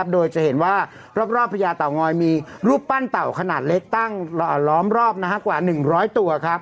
โดยจะเห็นว่ารอบพญาเต่างอยมีรูปปั้นเต่าขนาดเล็กตั้งล้อมรอบกว่า๑๐๐ตัว